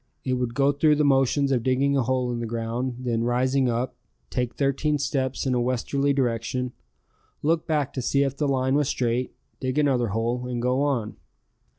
It would go through the motions of digging a hole in the ground, then rising up, take thirteen steps in a westerly direction, look back to see if the line was straight, dig another hole, and go on.